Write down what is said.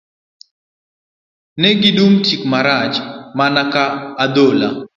Ne gidum tik marach mana ka adhola